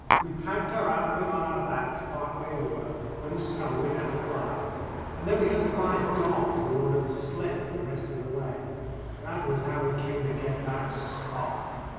We packed our outfit on our backs part way over, when the snow began to fly, and then we had to buy dogs in order to sled it the rest of the way. That was how we came to get that Spot.